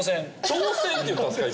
「挑戦」って言ったんすか？